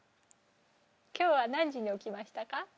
今日は何時に起きましたか？